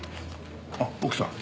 あっ奥さん。